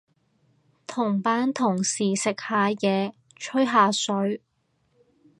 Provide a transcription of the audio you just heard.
同班同事食下嘢，吹下水